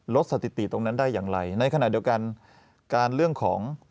สถิติตรงนั้นได้อย่างไรในขณะเดียวกันการเรื่องของ